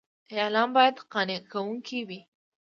اعلان باید قانع کوونکی وي.